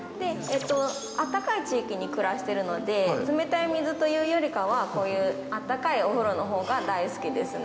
あったかい地域に暮らしているので、冷たい水というよりかは、こういうあったかいお風呂のほうが大好きです。